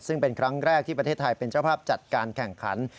ซึ่งเป็นครั้งแรกที่ประเทศไทยเป็นเจ้าภาพจัดการแข่งขัน